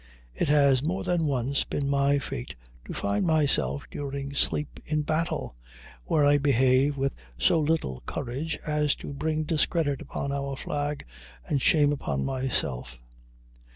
It has more than once been my fate to find myself during sleep in battle, where I behave with so little courage as to bring discredit upon our flag and shame upon myself.